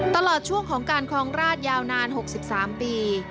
ตลอดช่วงของการครองราชยาวนาน๖๓ปี